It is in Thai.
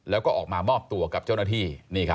แล้วก็ออกมามอบตัวกับเจ้าหน้าที่